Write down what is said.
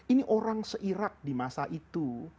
ini orang se irak di masa itu